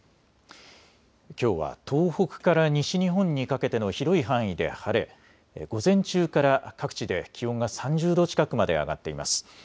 きょうは東北から西日本にかけての広い範囲で晴れ、午前中から各地で気温が３０度近くまで上がっています。